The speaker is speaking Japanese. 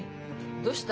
どうした？